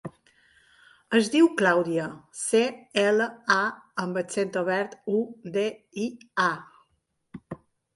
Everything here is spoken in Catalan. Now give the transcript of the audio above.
Es diu Clàudia: ce, ela, a amb accent obert, u, de, i, a.